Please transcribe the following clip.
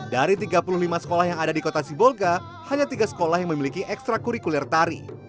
dari tiga puluh lima sekolah yang ada di kota sibolga hanya tiga sekolah yang memiliki ekstra kurikuler tari